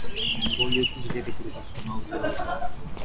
こういう記事出てくるとステマを疑う